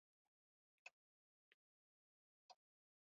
هالنډیانو د ختیځ هند کمپنۍ جوړه کړه.